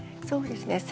そうですね。